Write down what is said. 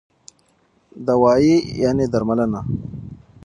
دوايي √ درملنه